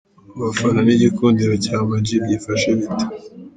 Abafana n’igikundiro cya Ama G byifashe bite ?.